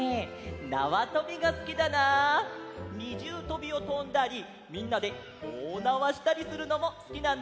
なわとびがすきだな！にじゅうとびをとんだりみんなでおおなわしたりするのもすきなんだ！